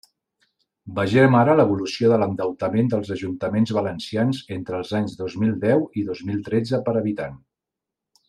Vegem ara l'evolució de l'endeutament dels ajuntaments valencians entre els anys dos mil deu i dos mil tretze per habitant.